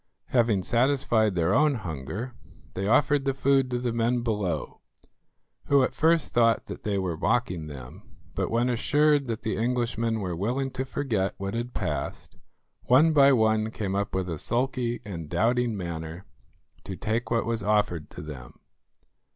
Having satisfied their own hunger, they offered the food to the men below, who at first thought that they were mocking them; but when assured that the Englishmen were willing to forget what had passed, one by one came up with a sulky and doubting manner to take what was offered to them.